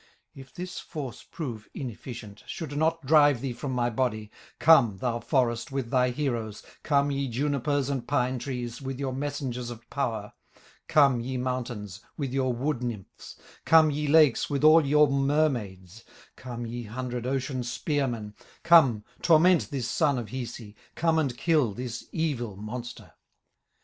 "If this force prove inefficient, Should not drive thee from my body, Come, thou forest, with thy heroes, Come, ye junipers and pine trees, With your messengers of power, Come, ye mountains, with your wood nymphs, Come, ye lakes, with all your mermaids, Come, ye hundred ocean spearmen, Come, torment this son of Hisi, Come and kill this evil monster.